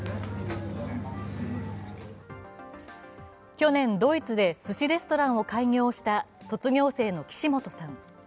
去年、ドイツでスシ・レストランを開業した卒業生の岸本さん。